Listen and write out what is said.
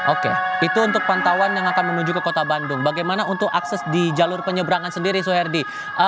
oke itu untuk pantauan yang akan menuju ke kota bandung bagaimana untuk akses di jalur penyeberangan sendiri suherdi